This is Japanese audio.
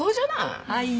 はい。